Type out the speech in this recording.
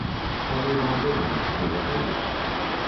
Калі вам давераць, вы гатовы?